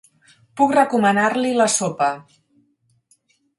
Puc recomanar-li la sopa.